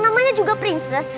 namanya juga prinses